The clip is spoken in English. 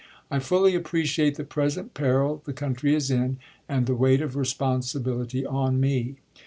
I fully appreciate the present peril the country is in, and the weight of responsibility on me.